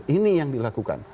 ini yang dilakukan